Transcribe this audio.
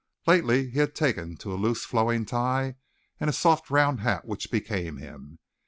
Lately he had taken to a loose, flowing tie and a soft round hat which became him.